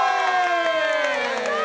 やったー！